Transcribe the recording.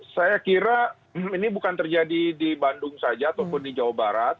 saya kira ini bukan terjadi di bandung saja ataupun di jawa barat